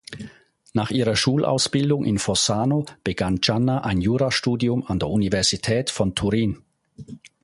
Nach ihrer Schulausbildung in Fossano begann Gianna ein Jurastudium an der Universität von Turin.